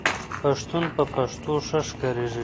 پښتون په پښتو ښه ښکاریږي